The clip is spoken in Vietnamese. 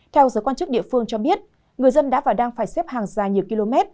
theo giới quan chức địa phương cho biết người dân đã và đang phải xếp hàng dài nhiều km